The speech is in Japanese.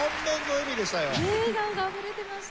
笑顔があふれてました。